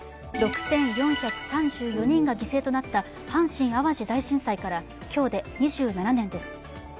６４３４人が犠牲となった阪神・淡路大震災から今日で２７年です。